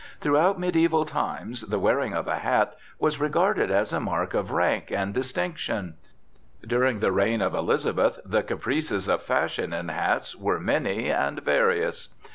Throughout mediaeval times the wearing of a hat was regarded as a mark of rank and distinction. During the reign of Elizabeth the caprices of fashion in hats were many and various.